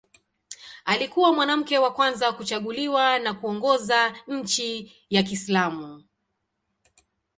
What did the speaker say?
Alikuwa mwanamke wa kwanza kuchaguliwa na kuongoza nchi ya Kiislamu.